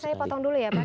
saya potong dulu ya pak